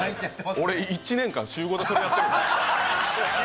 俺１年間、週５でこれやってる。